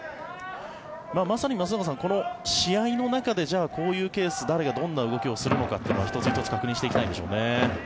まさに松坂さん、この試合の中でこういうケース誰がどんな動きをするのかっていうのは一つ一つ確認していきたいでしょうね。